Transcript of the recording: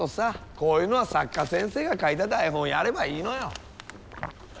こういうのは作家先生が書いた台本をやればいいのよ。